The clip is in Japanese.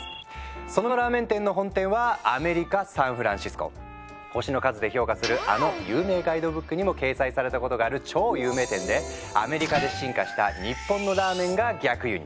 そのラーメン店の本店は星の数で評価するあの有名ガイドブックにも掲載されたことがある超有名店でアメリカで進化した日本のラーメンが逆輸入。